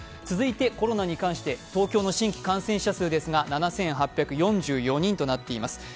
続いてコロナに関して、東京の新規感染者数ですが、７８４４人となっています。